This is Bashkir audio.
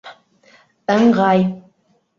Ыңғай.